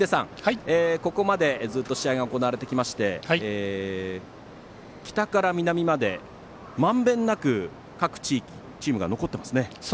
ここまでずっと試合が行われてきまして北から南まで、まんべんなく各チームが残っていますね。